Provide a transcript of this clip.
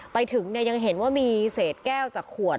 ไปถึงยังเห็นว่ามีเศษแก้วจากขวด